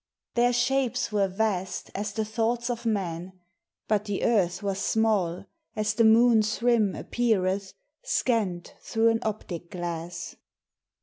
Their shapes were vast as the thoughts of man, But the Earth was small As the moon's rim appeareth Scann'd through an optic glass.